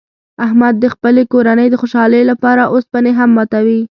احمد د خپلې کورنۍ د خوشحالۍ لپاره اوسپنې هم ماتوي.